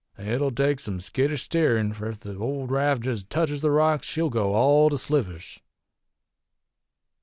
It'll take some skittish steerin', fur ef the old raft jest teches the rocks she'll go all to slivers.'